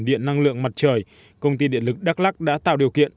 phát triển điện năng lượng mặt trời công ty điện lực đắk lắc đã tạo điều kiện